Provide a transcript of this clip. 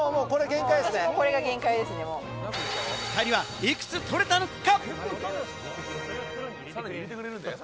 ２人はいくつ取れたのか？